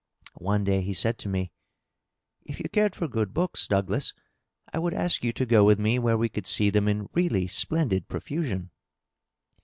One day he said to me, —" If you cared for good books, Douglas, I would ask you to go with me where we could see them in really splendid profusion.